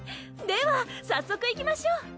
では早速行きましょう！